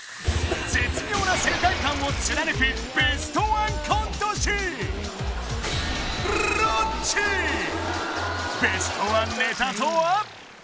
絶妙な世界観を貫くベストワンコント師ベストワンネタとは？